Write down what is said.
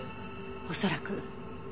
恐らく。